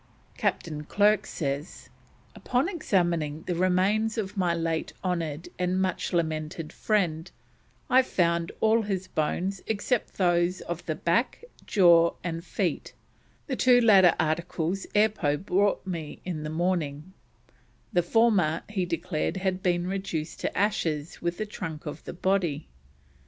Captain Clerke says: "Upon examining the remains of my late honoured and much lamented friend, I found all his bones, excepting those of the back, jaw, and feet the two latter articles Earpo brought me in the morning the former, he declared, had been reduced to ashes with the trunk of the body.